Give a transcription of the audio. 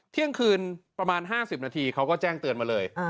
เที่ยงคืนประมาณ๕๐นาทีเขาก็แจ้งเตือนมาเลย